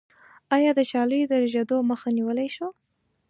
آیا د شالیو د رژیدو مخه نیولی شو؟